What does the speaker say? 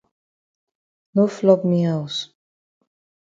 No flop me haus.